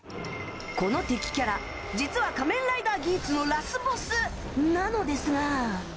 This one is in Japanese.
この敵キャラ実は「仮面ライダーギーツ」のラスボスなのですが。